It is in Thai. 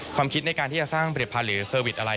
คิดในการที่จะสร้างผลิตภัณฑ์หรือเซอร์วิสอะไร